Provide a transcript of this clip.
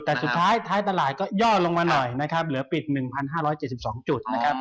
แต่สุดท้ายตลาดก็ย่อลงมาหน่อยเหลือปิด๑๕๗๒จุด